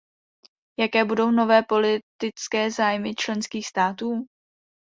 Jaké budou nové politické zájmy členských států?